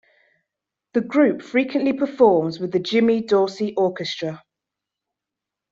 The group frequently performs with the Jimmy Dorsey Orchestra.